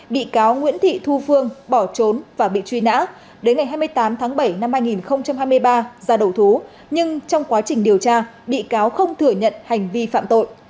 bị cáo nguyễn thị thu phương bỏ trốn và bị truy nã đến ngày hai mươi tám tháng bảy năm hai nghìn hai mươi ba ra đầu thú nhưng trong quá trình điều tra bị cáo không thừa nhận hành vi phạm tội